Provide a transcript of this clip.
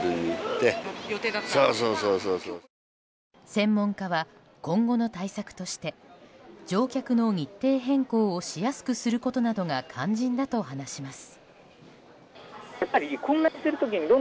専門家は今後の対策として乗客の日程変更をしやすくすることなどが肝心だと話します。